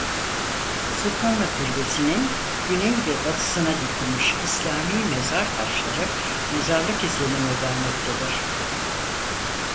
Sultana Türbesi'nin güney ve batısına dikilmiş İslami mezar taşları mezarlık izlenimi vermektedir.